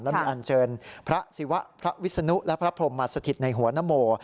และมีอันเชิญพระศิวะพระวิศนุและพระพรมมาสถิตในหัวนโม